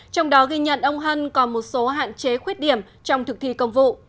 trong đó ghi nhận ông hân còn một số hạn chế khuyết điểm trong thực thi công vụ